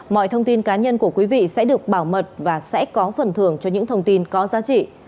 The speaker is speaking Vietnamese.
mọi thông tin cá nhân của quý vị sẽ được bảo mật và sẽ có phần thưởng cho những thông tin có giá trị